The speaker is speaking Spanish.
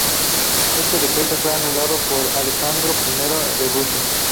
Este decreto fue anulado por Alejandro I de Rusia.